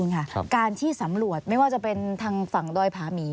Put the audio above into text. ค่ะการที่สำรวจไม่ว่าจะเป็นทางฝั่งดอยผาหมี